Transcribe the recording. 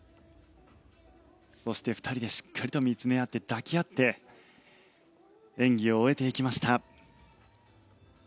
そして２人でしっかりと見つめあって抱き合って演技を終えていきました。